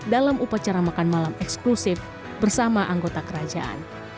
dalam upacara makan malam eksklusif bersama anggota kerajaan